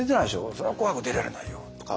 そりゃ『紅白』出られないよ」とか。